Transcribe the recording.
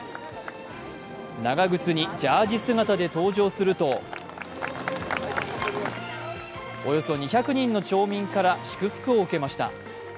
長靴にジャージ姿で登場するとおよそ２００人の町民から祝福を受けました。